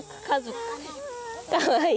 かわいい。